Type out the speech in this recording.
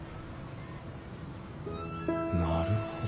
なるほど。